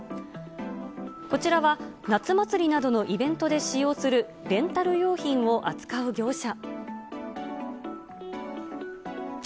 こちらは夏祭りなどのイベントで使用する、レンタル用品を扱う業者。